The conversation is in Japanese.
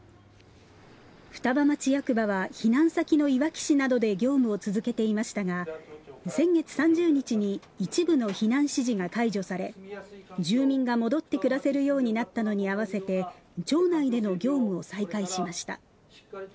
双葉町役場は避難先のいわき市などで業務を続けていましたが先月３０日に一部の避難指示が解除され住民が戻って暮らせるようになったのに合わせて町内での業務を再開しました。